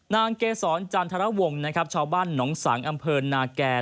นางเกษรจันทรวมชาวบ้านหนองสังอำเภิญนาแก่